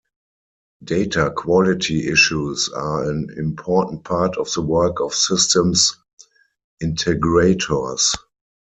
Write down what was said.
Data quality issues are an important part of the work of systems integrators.